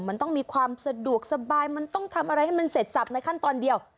มันต้องมีความสะดวกสบายมันต้องทำอะไรให้มันเสร็จสับในขั้นตอนเดียว